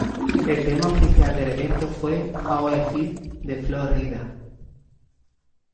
El tema oficial del evento fue ""How I Feel"" de Flo Rida.